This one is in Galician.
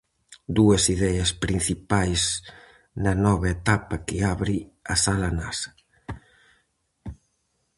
Dúas ideas principais na nova etapa que abre a Sala Nasa.